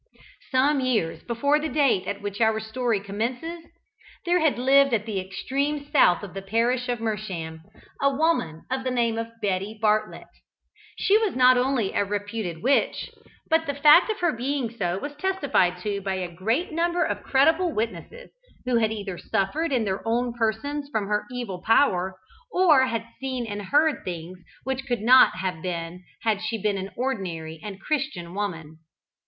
Some years before the date at which our story commences, there had lived at the extreme south of the parish of Mersham a woman of the name of Betty Bartlet. She was not only a reputed witch, but the fact of her being so was testified to by a great number of credible witnesses who had either suffered in their own persons from her evil power, or had seen and heard things which could not have been had she been an ordinary and Christian woman.